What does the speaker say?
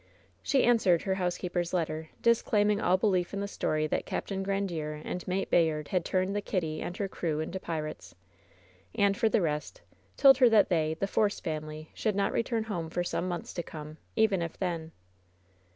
She answered her housekeeper's letter, disclaiming all belief in the story that Capt. Grandiere and Mate Bay ard had turned the Kitty and her crew into pirates. And for the rest, told her that they — ^the Force fam ily — should not return home for some months to come, even if then.